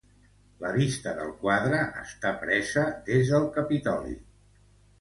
La vista del quadre està presa des del Capitoli.